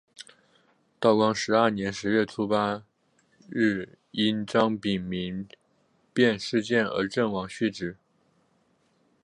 道光十二年十月初八日因张丙民变事件而阵亡殉职。